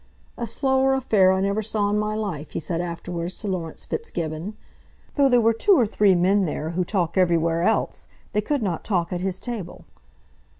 "A slower affair I never saw in my life," he said afterwards to Laurence Fitzgibbon. "Though there were two or three men there who talk everywhere else, they could not talk at his table."